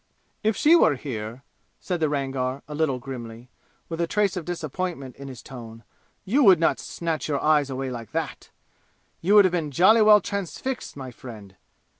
"If she were here," said the Rangar, a little grimly with a trace of disappointment in his tone "you would not snatch your eyes away like that! You would have been jolly well transfixed, my friend!